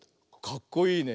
かっこいいね。